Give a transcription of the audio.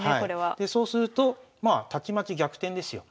でそうするとまあたちまち逆転ですよ。